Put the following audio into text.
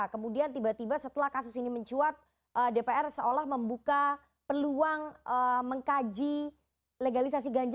kemudian tiba tiba setelah kasus ini mencuat dpr seolah membuka peluang mengkaji legalisasi ganja